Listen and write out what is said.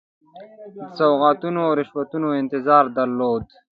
سوغاتونو او رشوتونو انتظار درلود.